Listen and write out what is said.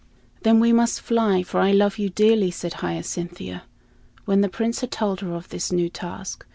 "Then we must fly, for I love you dearly," said Hyacinthia, when the Prince had told her of this new task.